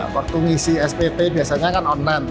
waktu ngisi spt biasanya kan online